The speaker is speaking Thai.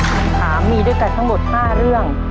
คำถามมีด้วยกันทั้งหมด๕เรื่อง